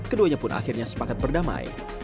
keduanya pun akhirnya sepakat berdamai